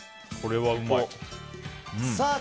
これはうまい。